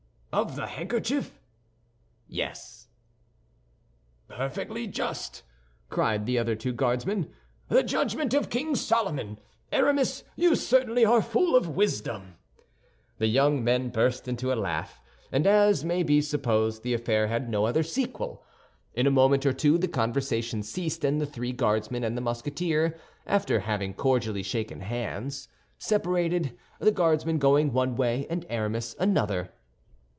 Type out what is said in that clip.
"Of the handkerchief?" "Yes." "Perfectly just," cried the other two Guardsmen, "the judgment of King Solomon! Aramis, you certainly are full of wisdom!" The young men burst into a laugh, and as may be supposed, the affair had no other sequel. In a moment or two the conversation ceased, and the three Guardsmen and the Musketeer, after having cordially shaken hands, separated, the Guardsmen going one way and Aramis another.